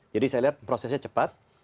jadi saya lihat prosesnya cepat